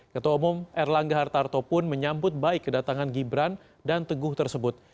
ketua umum erlangga hartarto pun menyambut baik kedatangan gibran dan teguh tersebut